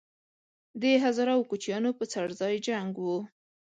د هزاره او کوچیانو په څړځای جنګ وو